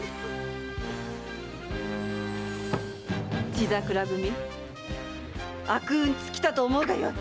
血桜組悪運尽きたと思うがよい！